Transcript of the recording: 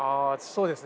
そうです。